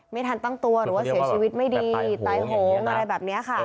ไม่ทันตั้งตัวหรือว่าเสียชีวิตไม่ดีตายโหงอะไรแบบนี้ค่ะ